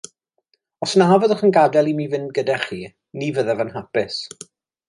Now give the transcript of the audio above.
Os na fyddwch yn gadael i mi fynd gyda chi, ni fyddaf yn hapus.